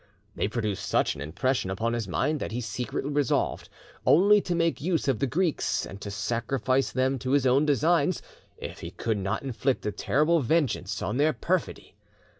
They produced such an impression upon his mind that he secretly resolved only to make use of the Greeks, and to sacrifice them to his own designs, if he could not inflict a terrible vengeance on their perfidy.